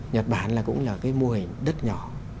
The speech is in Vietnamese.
nhật bản cũng là cái mô hình đất nhỏ